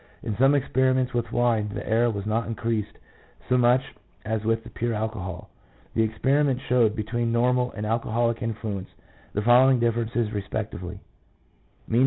In some ex periments with wine, the error was not increased so much as with the pure alcohol. The experiments showed between normal and alcoholic influence the following differences respectively: — Mv.